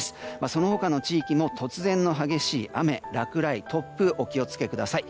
その他の地域も突然の激しい雨落雷、突風お気を付けください。